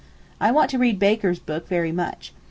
I want to read Baker's book very much.